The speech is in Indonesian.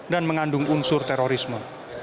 dan mengandung unsur terorisme